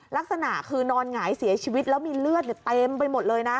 ลักษณะคือนอนหงายเสียชีวิตแล้วมีเลือดเต็มไปหมดเลยนะ